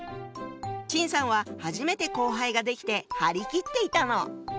陳さんは初めて後輩ができて張り切っていたの。